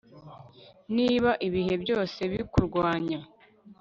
niba ibihe byose bikurwanya